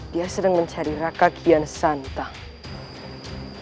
dia sedang mencari raka kian santai